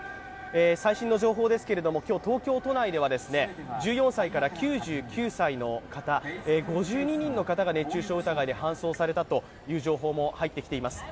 最新の情報ですけれども今日、東京都内では１４歳から９９歳の方５２人の方が熱中症疑いで搬送されたという情報も入ってきています。